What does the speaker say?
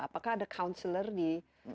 apakah ada counselor di